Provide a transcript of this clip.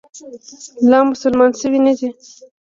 لا مسلمان شوی نه دی.